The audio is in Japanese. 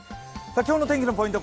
今日の天気のポイント